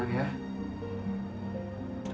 kamu tenang ya